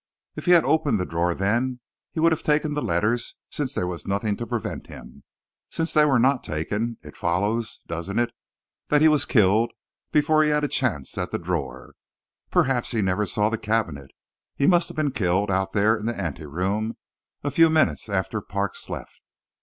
"If he had opened the drawer, then, he would have taken the letters, since there was nothing to prevent him. Since they were not taken, it follows, doesn't it, that he was killed before he had a chance at the drawer? Perhaps he never saw the cabinet. He must have been killed out there in the ante room, a few minutes after Parks left."